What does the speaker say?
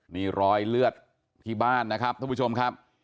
นี่รอยเลือดที่บ้านนะครับท่านผู้ชมครับ